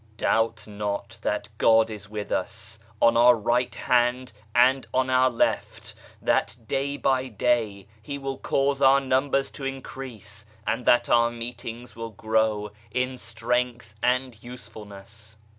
Doubt not that God is with us, on our right hand and on our left, that day by day He will cause our numbers to increase, and that our meetings will grow in strength and usefulness.